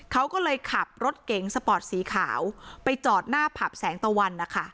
เขาก็เลยขับรถเก๋งสปอร์ตสีขาวไปจอดหน้าผับแสงตะวันนะคะ